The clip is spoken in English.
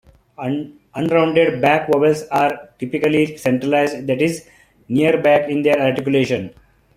Unrounded back vowels are typically centralized, that is, near-back in their articulation.